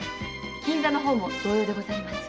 金座の方も同様でございます。